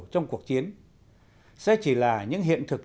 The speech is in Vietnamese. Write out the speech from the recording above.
trong cuộc chiến sẽ chỉ là những hiện thực